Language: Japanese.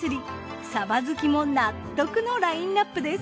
サバ好きも納得のラインアップです。